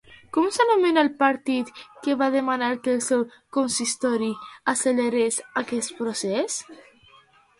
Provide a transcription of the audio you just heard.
Com s'anomena el partit que va demanar que el consistori accelerés aquest procés?